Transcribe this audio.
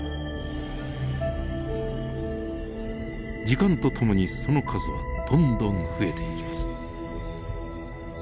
時間とともにその数はどんどん増えていきます。